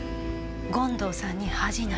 権藤さんに恥じない。